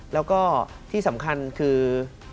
แล้วก็ที่สำคัญคือ